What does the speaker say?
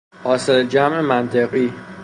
حاصل جمع منطقی